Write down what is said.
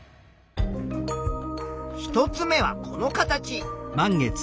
１つ目はこの形。